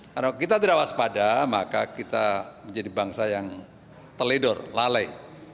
karena kita tidak waspada maka kita menjadi bangsa yang telidor lalai